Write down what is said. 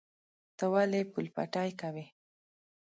ته ولې پل پتی کوې؟